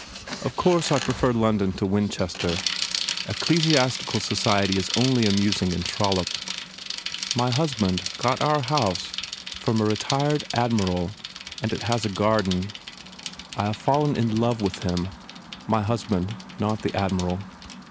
... Of course I prefer London to Winchester. Ecclesi 7 8 PENALTIES astical society is only amusing in Trollope. My husband got our house from a retired Admiral and it has a garden. I have fallen in love with him my husband, not the Admiral.